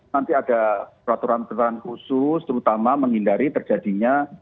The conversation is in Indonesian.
nanti ada peraturan peraturan khusus terutama menghindari terjadinya